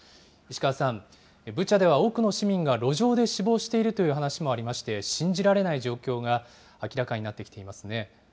石川さん、ブチャでは多くの市民が路上で死亡しているという話もありまして、信じられない状況が明らかになってきていますね。